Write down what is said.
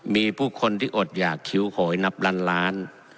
มีผู้คนที่อดหยากคิ้วโหยนับล้านล้าน